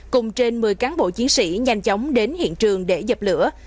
cùng trên một mươi cán bộ chiến sĩ nhanh chóng đến hiện trường để dập lửa